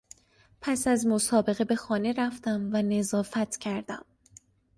پس از مسابقه به خانه رفتم و نظافت کردم.